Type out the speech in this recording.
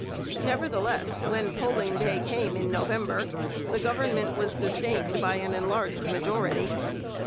Nevertheless, when polling day came in November, the Government was sustained by an enlarged majority.